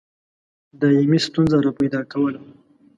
دایمي ستونزه را پیدا کوله.